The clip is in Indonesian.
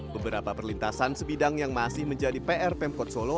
beberapa perlintasan sebidang yang masih menjadi pr pemkot solo